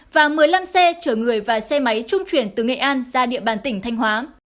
và một mươi năm xe chở người và xe máy trung chuyển từ nghệ an ra địa bàn tỉnh thanh hóa